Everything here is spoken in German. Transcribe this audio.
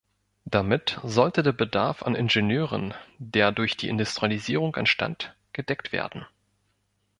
Damit sollte der Bedarf an Ingenieuren, der durch die Industrialisierung entstand, gedeckt werden.